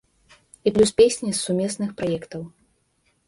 І плюс песні з сумесных праектаў.